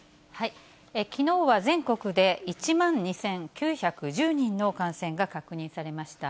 きのうは全国で１万２９１０人の感染が確認されました。